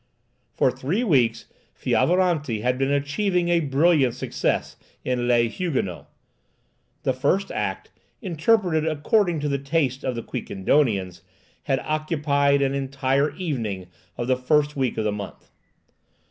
For three weeks Fiovaranti had been achieving a brilliant success in "Les Huguenots." The first act, interpreted according to the taste of the Quiquendonians, had occupied an entire evening of the first week of the month.